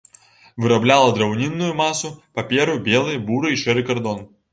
Вырабляла драўнінную масу, паперу, белы, буры і шэры кардон.